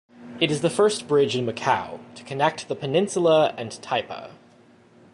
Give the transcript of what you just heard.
It is the first bridge in Macau, to connect the peninsula and Taipa.